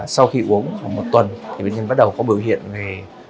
sau khi uống khoảng một tuần thì bệnh nhân bắt đầu có biểu hiện về